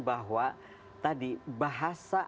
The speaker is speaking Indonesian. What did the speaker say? bahwa tadi bahasa